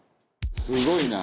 「すごいな」